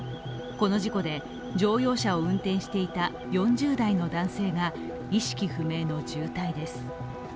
この事故で乗用車を運転していた４０代の男性が意識不明の重体です。